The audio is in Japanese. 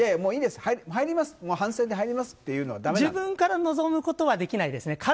いいです、入ります反省で入りますというのは自分から望むことはできないですね。